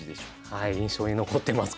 はい印象に残ってます